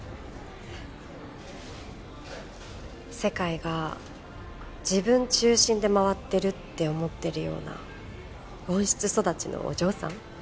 世界が自分中心で回ってるって思ってるような温室育ちのお嬢さん？